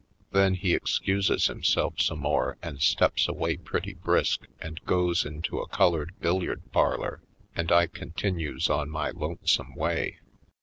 Then he excuses himself some more and steps away pretty brisk, and goes into a colored billiard parlor, and I continues on my lonesome way.